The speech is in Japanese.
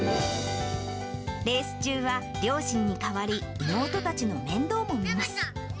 レース中は両親に代わり、妹たちの面倒も見ます。